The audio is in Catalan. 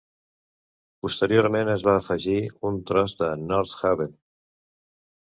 Posteriorment es va afegir un tros a North Haven.